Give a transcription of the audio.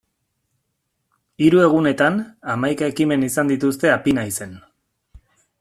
Hiru egunetan hamaika ekimen izan dituzte Apinaizen.